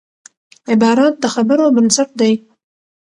عبارت د خبرو بنسټ دئ.